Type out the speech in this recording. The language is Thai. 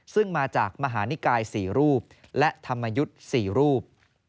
ซึ่งมาจากมหานิกาย๔รูปและธรรมยุทธ์๔รูป